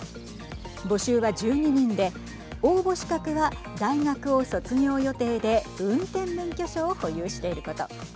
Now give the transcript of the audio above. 募集は１２人で応募資格は大学を卒業予定で運転免許証を保有していること。